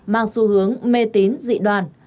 mang xu hướng mê tín dị đoàn